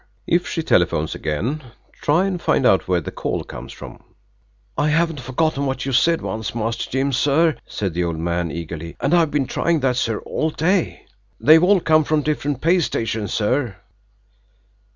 "If she telephones again, try and find out where the call comes from." "I haven't forgotten what you said once, Master Jim, sir," said the old man eagerly. "And I've been trying that sir, all day. They've all come from different pay stations, sir."